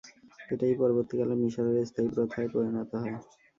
এটাই পরবর্তীকালে মিসরের স্থায়ী প্রথায় পরিণত হয়।